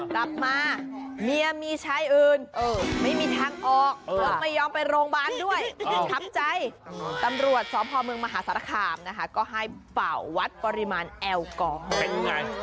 ตลับมาเมียมีชายอื่นไม่มีทางออกไม่ยอมไปโรงบาลด้วยชับใจตำรวจสวพพลเมืองมหาศาลคามก็ให้เป่าวัดปริมาณแอวกอง